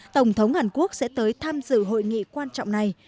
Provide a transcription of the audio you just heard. tổng thống hàn quốc sẽ tới tham dự hội nghị quan trọng này